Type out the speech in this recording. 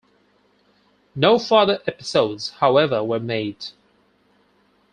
No further episodes, however, were made.